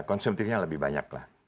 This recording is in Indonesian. konsumtifnya lebih banyak lah